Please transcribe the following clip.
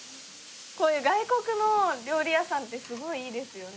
こういう外国の料理屋さんってすごいいいですよね。